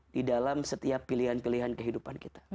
di dalam setiap pilihan pilihan kehidupan kita